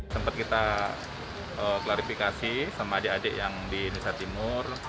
sempat kita klarifikasi sama adik adik yang di indonesia timur